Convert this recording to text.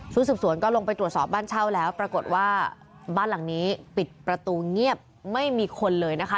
สืบสวนก็ลงไปตรวจสอบบ้านเช่าแล้วปรากฏว่าบ้านหลังนี้ปิดประตูเงียบไม่มีคนเลยนะคะ